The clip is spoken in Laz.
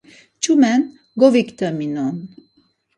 Ç̌umen goviktaminon.